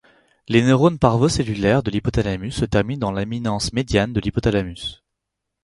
Les neurones parvocellulaires de l'hypothalamus se terminent dans l'éminence médiane de l'hypothalamus.